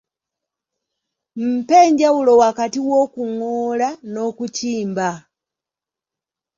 Mpa enjawulo wakati w’okuŋoola n’okukimba..